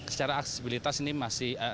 secara aksesibilitas ini masih